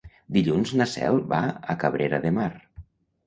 Dilluns na Cel va a Cabrera de Mar.